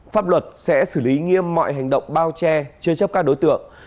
pháp luật sẽ xử lý nghiêm mọi hành động bao che chớ chấp các đối tượng